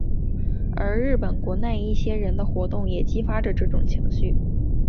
而日本国内一些人的活动也激发着这种情绪。